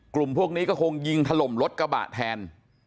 กลุ่มพวกนี้ก็คงยิงถล่มรถกระบะแทน